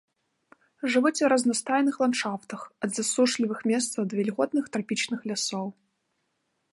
Жывуць у разнастайных ландшафтах, ад засушлівых месцаў да вільготных трапічных лясоў.